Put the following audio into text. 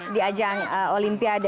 di ajang olimpiade